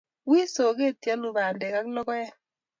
wiy soket ioulu bandek ak logoek